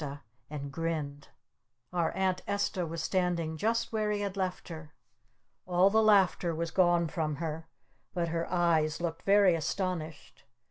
And grinned! Our Aunt Esta was standing just where he had left her. All the laughter was gone from her. But her eyes looked very astonished.